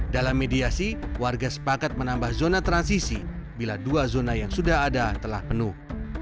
dalam mediasi warga sepakat menambah zona transisi bila dua zona yang sudah ada telah penuh